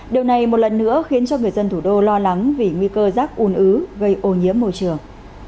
điều này một lần nữa khiến cho người dân thủ đô lo lắng vì nguy cơ rác un ứ gây ô nhiễm môi trường